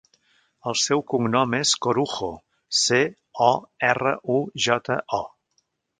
El seu cognom és Corujo: ce, o, erra, u, jota, o.